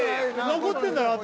残ってんだろ跡